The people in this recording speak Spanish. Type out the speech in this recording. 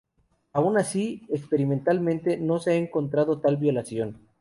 Aun así, experimentalmente no se ha encontrado tal violación.